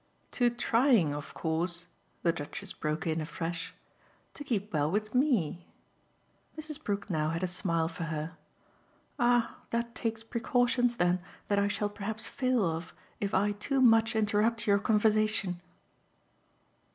"To trying of course," the Duchess broke in afresh, "to keep well with ME!" Mrs. Brook now had a smile for her. "Ah that takes precautions then that I shall perhaps fail of if I too much interrupt your conversation."